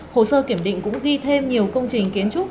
hồ sơ kiểm định cũng ghi thêm nhiều công trình kiến trúc